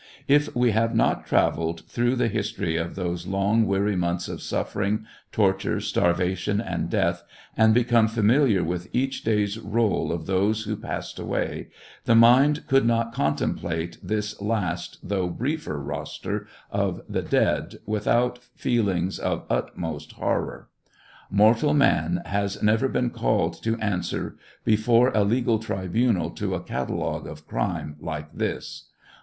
If we have not travelled through the history of those long weary months of suffering, torture, starvation, and death, and become familiar with each day's roll of those who passed away, the mind could not contemplate this last though briefer roster of the dead without feelings of utmost horror. Mortal man has never been called to answer before a legal tribu nal to a catalogue of crime like this.